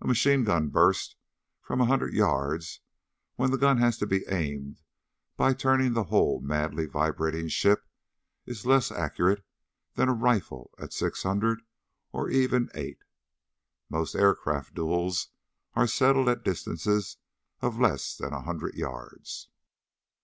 A machine gun burst from a hundred yards, when the gun has to be aimed by turning the whole madly vibrating ship, is less accurate than a rifle at six hundred, or even eight. Most aircraft duels are settled at distances of less than a hundred yards.